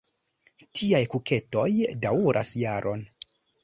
Tiaj kuketoj daŭras jaron.